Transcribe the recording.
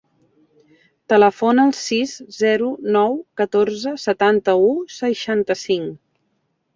Telefona al sis, zero, nou, catorze, setanta-u, seixanta-cinc.